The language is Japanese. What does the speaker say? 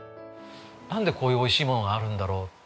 なんでこういうおいしいものがあるんだろう。